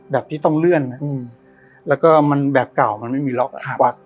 แบบที่ต้องเลื่อนฮะอืมแล้วก็มันแบบเก่ามันไม่มีทราบ